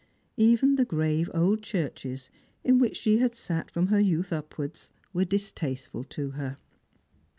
Even the grave old churches, in which she had sat from her youth upwards, were distasteful to her.